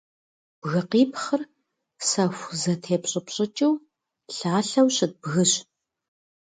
Бгыкъипхъыр сэху зэтепщӏыпщӏыкӏыу, лъалъэу щыт бгыщ.